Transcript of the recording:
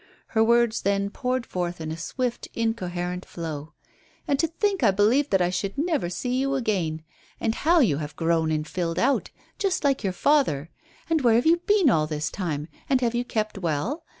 Her words then poured forth in a swift, incoherent flow. "And to think I believed that I should never see you again. And how you have grown and filled out. Just like your father. And where have you been all this time, and have you kept well?